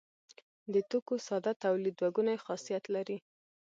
د توکو ساده تولید دوه ګونی خاصیت لري.